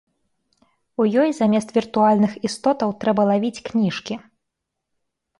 У ёй замест віртуальных істотаў трэба лавіць кніжкі.